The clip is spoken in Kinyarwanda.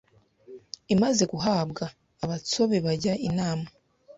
imaze guhambwa, Abatsobe bajya inama